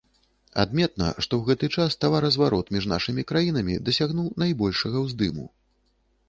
Адметна, што ў гэты час таваразварот між нашымі краінамі дасягнуў найбольшага ўздыму.